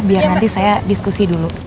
biar nanti saya diskusi dulu